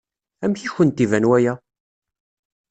Amek i kent-iban waya?